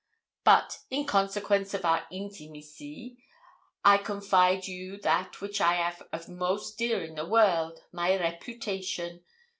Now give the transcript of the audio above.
But in consequence of our intimacy I confide you that which I 'av of most dear in the world, my reputation.